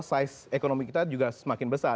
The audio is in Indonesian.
size ekonomi kita juga semakin besar